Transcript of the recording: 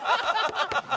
ハハハハ！